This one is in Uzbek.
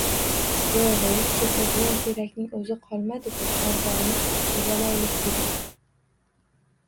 Yoʻgʻ-e, kesadigan terakning oʻzi qolmadi-ku. Chorbogʻni tozalaylik dedik.